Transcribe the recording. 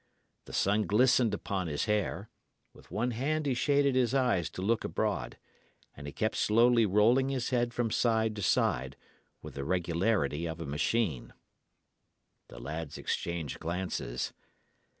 The sun glistened upon his hair; with one hand he shaded his eyes to look abroad, and he kept slowly rolling his head from side to side, with the regularity of a machine. The lads exchanged glances.